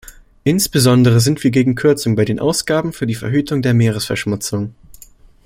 Insbesondere sind wir gegen Kürzungen bei den Ausgaben für die Verhütung der Meeresverschmutzung.